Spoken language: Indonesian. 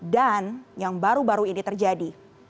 dan yang baru baru ini terjadi